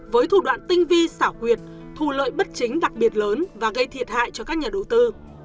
với thủ đoạn tinh vi xảo quyệt thù lợi bất chính đặc biệt lớn và gây thiệt hại cho các nhà đầu tư